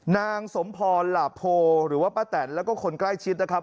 นางสมพรหลาโพหรือว่าป้าแตนแล้วก็คนใกล้ชิดนะครับ